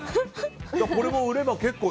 これも売れば結構。